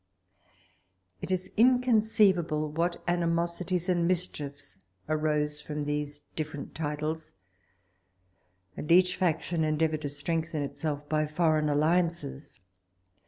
It is inconceivable what animosities and mischiefs arose from these different titles; and each faction endeavoured to strengthen itself by foreign alliances.